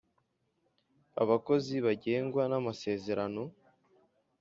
abakozi bagengwa na masezerano,